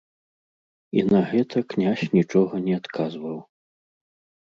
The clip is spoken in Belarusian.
І на гэта князь нічога не адказваў.